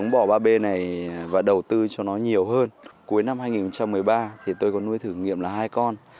bò ba b này và đầu tư cho nó nhiều hơn cuối năm hai nghìn một mươi ba thì tôi có nuôi thử nghiệm là hai con